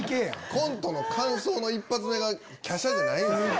コントの感想の１発目が「華奢」じゃないんですよ。